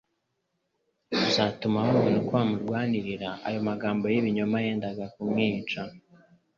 zatuma babona uko bamurwariya, ayo magambo y'ibinyoma yendaga kumwicisha,